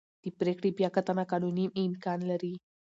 د پرېکړې بیاکتنه قانوني امکان لري.